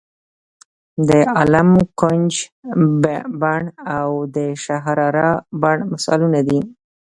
د عالم ګنج بڼ او د شهرارا بڼ مثالونه دي.